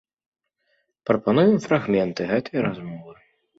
Прапануем фрагменты гэтай размовы.